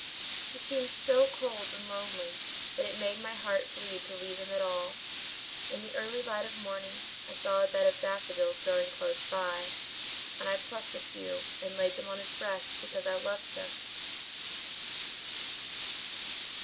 "He seemed so cold and lonely that it made my heart bleed to leave him at all. In the early light of morning I saw a bed of daffodils growing close by and I plucked a few and laid them on his breast because I loved him."